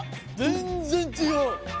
全然違う。